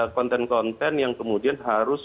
konten konten yang kemudian harus